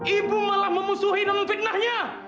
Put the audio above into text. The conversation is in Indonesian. ibu malah memusuhi dan memfitnahnya